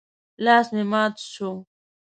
لاس مې مات شو.